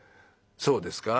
「そうですか。